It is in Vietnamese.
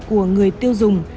của người tiêu dùng